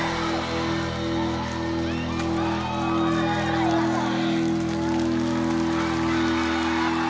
ありがとう！